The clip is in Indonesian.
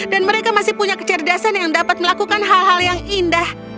dan mereka masih punya kecerdasan yang dapat melakukan hal hal yang indah